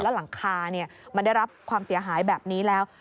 แล้วหลังคามันได้รับความเสียหายแบบนี้แล้ว